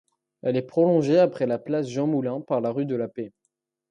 Elle est prolongée après la place Jean-Moulin par la rue de la Paix.